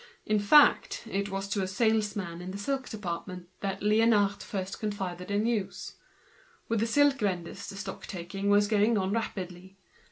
In fact, it was to a salesman in the silk department that Liénard first confided the news. With the silk vendors the stock taking was going on rapidly.